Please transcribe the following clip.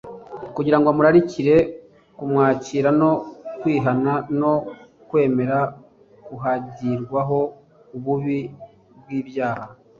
kugira ngo amurarikire kumwakira no kwihana no kwemera kuhagirwaho ububi bw'ibyaha.